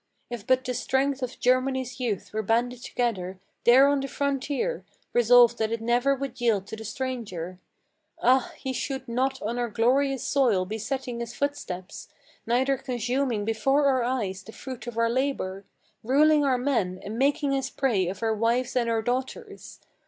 If but the strength of Germany's youth were banded together There on the frontier, resolved that it never would yield to the stranger, Ah, he should not on our glorious soil be setting his foot steps, Neither consuming before our eyes the fruit of our labor, Ruling our men, and making his prey of our wives and our daughters.